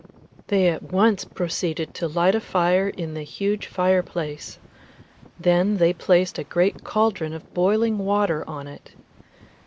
They at once proceeded to light a fire in the huge fireplace; then they placed a great cauldron of boiling water on it.